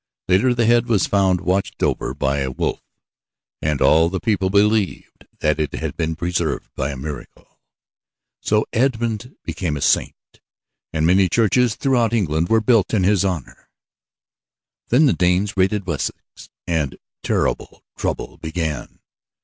Later the head was found watched over by a wolf and all the people believed that it had been preserved by a miracle. So Edmund became a Saint, and many churches throughout England were built in his honor. Then the Danes raided Wessex and terrible trouble began.